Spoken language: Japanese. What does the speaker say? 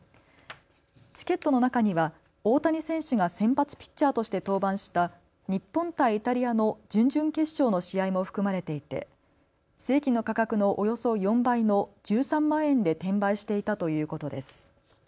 チケットの中には大谷選手が先発ピッチャーとして登板した日本対イタリアの準々決勝の試合も含まれていて正規の価格のおよそ４倍の１３万円で転売していたということです。